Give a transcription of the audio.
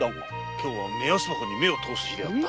今日は目安箱に目を通す日であった！